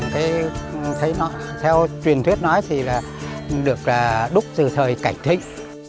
thế thấy nó theo truyền thuyết nói thì là được đúc từ thời cảnh thịnh